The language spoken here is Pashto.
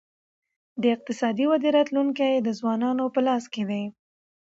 د اقتصادي ودې راتلونکی د ځوانانو په لاس کي دی.